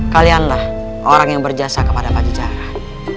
kalianlah orang yang berjasa kepada pajajaran